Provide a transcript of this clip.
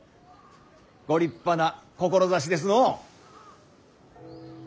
ご立派な志ですのう。